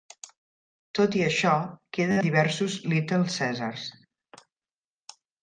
Tot i això, queden diversos Little Caesars.